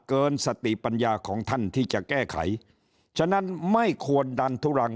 เกินสติปัญญาของท่านที่จะแก้ไขฉะนั้นไม่ควรดันทุรัง